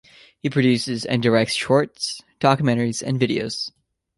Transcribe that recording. He produces and directs shorts, documentaries and videos.